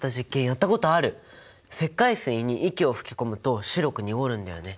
石灰水に息を吹き込むと白く濁るんだよね。